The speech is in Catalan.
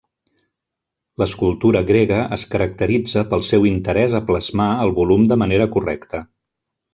L'escultura grega es caracteritza pel seu interès a plasmar el volum de manera correcta.